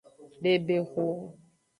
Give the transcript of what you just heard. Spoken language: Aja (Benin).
Bebexu.